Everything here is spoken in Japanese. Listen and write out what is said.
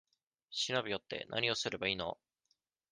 忍び寄って、なにをすればいいの？